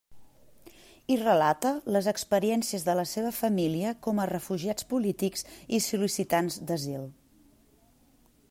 Hi relata les experiències de la seva família com a refugiats polítics i sol·licitants d'asil.